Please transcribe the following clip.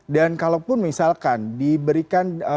dan kalaupun misalkan diberikan